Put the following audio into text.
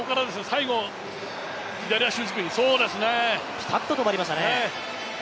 ピタッと止まりましたね。